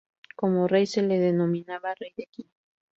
Como rey, se le denominaba Rey de Qin.